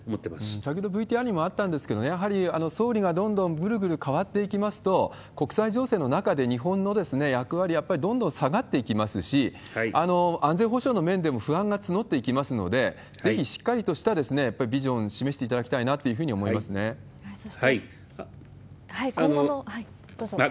先ほどＶＴＲにもあったんですけれども、やはり総理がどんどんぐるぐる変わっていきますと、国際情勢の中で日本の役割、やっぱりどんどん下がっていきますし、安全保障の面でも不安が募っていきますので、ぜひしっかりとしたビジョンを示していただきたいなというふうにそして、今後の、どうぞ。